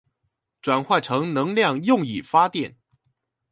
轉化成能量用以發電